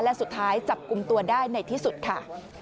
และสุดท้ายจับกลุ่มตัวได้ในที่สุดค่ะ